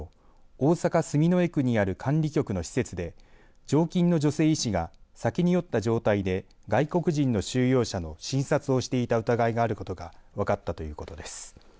大阪住之江区にある管理局の施設で常勤の女性医師が酒に酔った状態で外国人の収容者の診察をしていた疑いがあることがわかったということです。